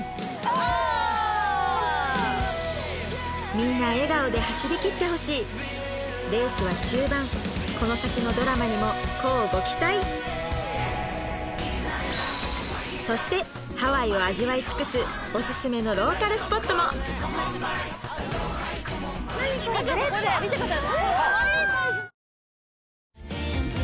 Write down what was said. みんな笑顔で走りきってほしいこの先のドラマにも乞うご期待そしてハワイを味わい尽くすオススメのローカルスポットも何これブレッドこれ見てください